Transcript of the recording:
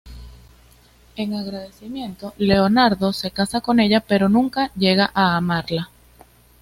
En agradecimiento Leonardo se casa con ella pero nunca llega a amarla.